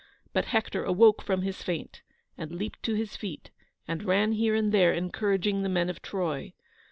But Hector awoke from his faint, and leaped to his feet and ran here and there, encouraging the men of Troy.